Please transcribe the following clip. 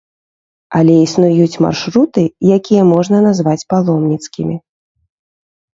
Але існуюць маршруты, якія можна назваць паломніцкімі.